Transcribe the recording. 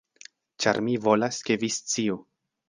Ĉar mi volas, ke vi sciu.